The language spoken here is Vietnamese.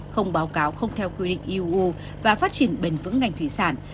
không báo cáo không theo quy định eu và phát triển bền vững ngành thủy sản